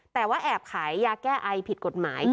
แต่ว่าแอบขายยาแก้ไอผิดกฎหมาย